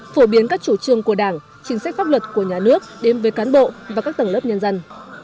phổ biến các chủ trương của đảng chính sách pháp luật của nhà nước đến với cán bộ và các tầng lớp nhân dân